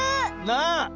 なあ。